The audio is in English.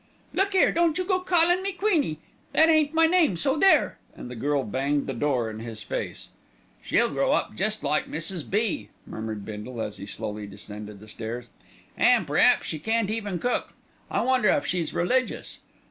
"Look 'ere, don't you go callin' me 'Queenie'; that ain't my name, so there," and the girl banged the door in his face. "She'll grow up jest like Mrs. B.," murmured Bindle, as he slowly descended the stairs, "an' p'raps she can't even cook. I wonder if she's religious.